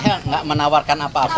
saya enggak menawarkan apa apa